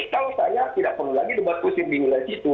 jadi kalau saya tidak perlu lagi debat kursi di nilai situ